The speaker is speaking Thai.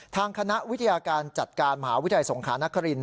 ทางคณะวิทยาการจัดการมหาวิทยาลัยสงขานคริน